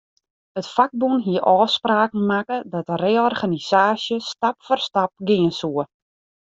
It fakbûn hie ôfspraken makke dat de reorganisaasje stap foar stap gean soe.